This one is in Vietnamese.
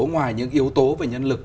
ngoài những yếu tố về nhân lực